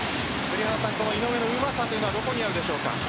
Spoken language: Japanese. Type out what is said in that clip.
井上のうまさはどこにあるでしょうか？